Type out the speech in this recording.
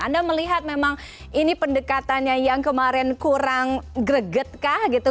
anda melihat memang ini pendekatannya yang kemarin kurang greget kah gitu